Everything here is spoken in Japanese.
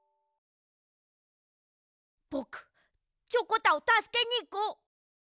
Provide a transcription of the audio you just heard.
ぼくチョコタをたすけにいこう！